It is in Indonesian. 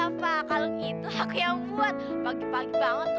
ducuk kalung kamu kerajaan menjadi mani manin berbentuk macelandu nyu bail security